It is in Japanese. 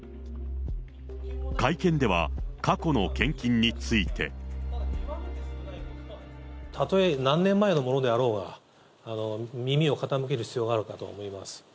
会見では、過去の献金について。たとえ何年前のものであろうが、耳を傾ける必要があるかと思います。